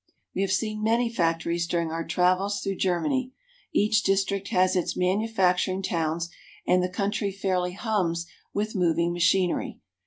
We have seen many factories during our travels through Germany. Each district has its manufacturing towns, and the country fairly hums with moving machinery.